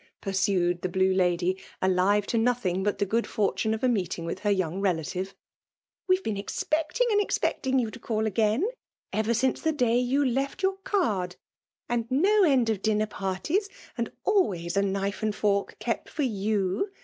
pursued the blue lady> alive to ifothing but the good fortune of a meeting with her young relative ''We've been ez* pecting and expecting yon to call again^ ever since the day you lefl your card ; and no end of dinner parties, and always a knife and fork kept for you.